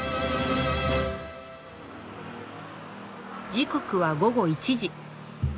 時刻は午後１時。